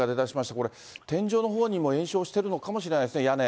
これ、天井のほうにも延焼してるのかもしれないですね、屋根。